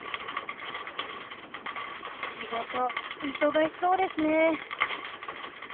仕事忙しそうですね。